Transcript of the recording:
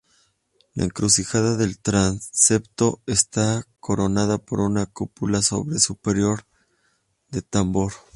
La encrucijada del transepto está coronada por una cúpula sobre superior de tambor.